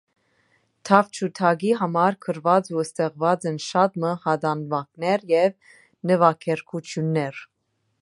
Թաւջութակի համար գրուած ու ստեղծուած են շատ մը հատանուագներ եւ նուագերգութիւններ։